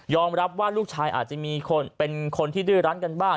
รับว่าลูกชายอาจจะมีคนเป็นคนที่ดื้อรั้นกันบ้าง